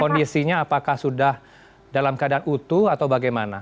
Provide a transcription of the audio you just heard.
kondisinya apakah sudah dalam keadaan utuh atau bagaimana